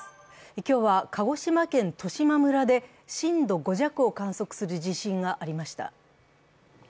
今日は鹿児島県十島村で震度５弱を観測する地震がありました。